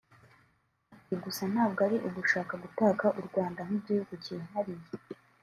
Ati“ Gusa ntabwo ari ugushaka gutaka u Rwanda nk’igihugu cyihariye